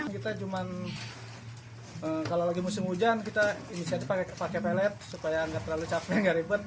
kita cuma kalau lagi musim hujan kita inisiatif pakai pellet supaya nggak terlalu capek gak ribet